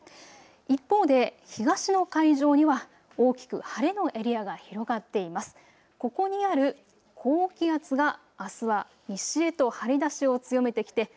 一方で東の海上には大きく晴れのエリアが広がっています。